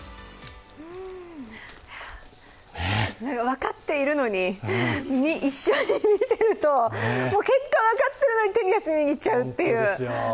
分かっているのに、一緒に見ていると、結果分かってるのに手に汗握っちゃうという。